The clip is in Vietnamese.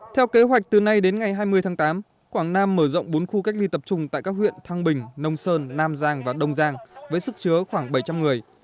theo kế hoạch từ nay đến ngày hai mươi tháng tám quảng nam mở rộng bốn khu cách ly tập trung tại các huyện thăng bình nông sơn nam giang và đông giang với sức chứa khoảng bảy trăm linh người